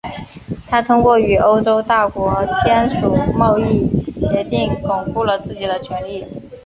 他通过与欧洲大国签署贸易协定巩固了自己的权力。